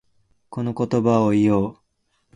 この言葉を言おう。